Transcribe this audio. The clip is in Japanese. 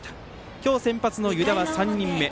今日先発の湯田は３人目。